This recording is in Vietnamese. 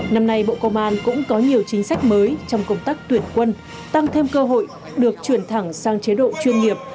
năm nay bộ công an cũng có nhiều chính sách mới trong công tác tuyển quân tăng thêm cơ hội được chuyển thẳng sang chế độ chuyên nghiệp